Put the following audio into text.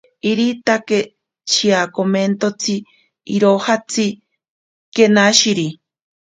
Iritake shiakomentotsi irojatsi kenashiri.